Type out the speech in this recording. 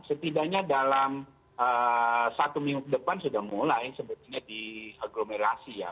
setidaknya dalam satu minggu ke depan sudah mulai sebetulnya diagglomerasi ya